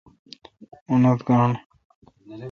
اونتھ گاݨڈ